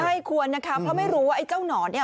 ใช่ควรเพราะไม่รู้ว่าเก้านอนเนี่ย